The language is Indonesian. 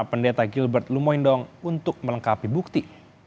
pendeta gilbert lumoindong untuk melengkapi bukti